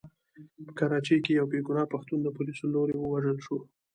په کراچۍ کې يو بې ګناه پښتون د پوليسو له لوري ووژل شو.